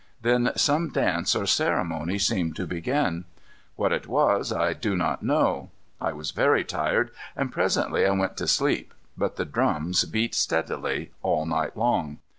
Then some dance or ceremony seemed to begin. What it was, I do not know. I was very tired and presently I went to sleep. But the drums beat steadily, all night long.